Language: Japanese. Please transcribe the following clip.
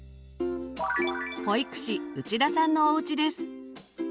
保育士内田さんのおうちです。